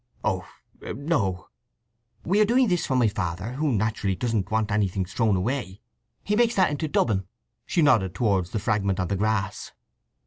"Oh no." "We are doing this for my father, who naturally doesn't want anything thrown away. He makes that into dubbin." She nodded towards the fragment on the grass.